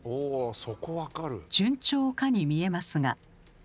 順調かに見えますが。